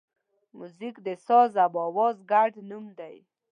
موزیک د ساز او آواز ګډ نوم دی.